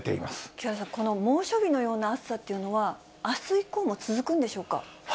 木原さん、この猛暑日のような暑さっていうのは、あす以降も続くんでしょうか。